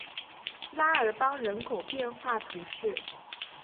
拉尔邦人口变化图示